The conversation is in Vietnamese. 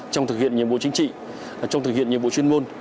trong thực hiện nhiệm vụ chính trị trong thực hiện nhiệm vụ chuyên môn